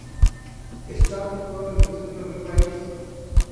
Está situado en el centro del país.